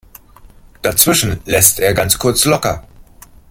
Dazwischen lässt er ganz kurz locker.